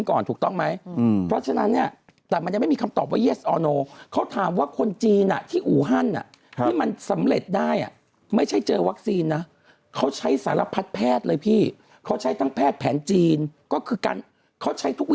คุณผ่านตัวนี้ทั่วโลกเขายังบอกว่าโซเชียลดีแท็งซิงค์นี้คือดีที่สุด